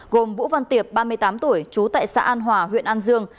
gồm vũ văn tiệp ba mươi tám tuổi trú tại xã an hòa huyện an dương